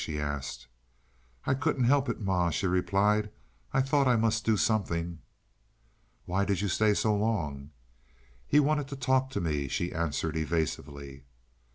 she asked. "I couldn't help it, ma," she replied. "I thought I must do something." "Why did you stay so long?" "He wanted to talk to me," she answered evasively.